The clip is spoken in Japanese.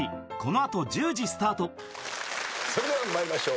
それでは参りましょう。